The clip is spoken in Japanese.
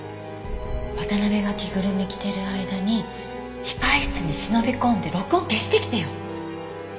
渡辺が着ぐるみ着てる間に控室に忍び込んで録音を消してきてよ。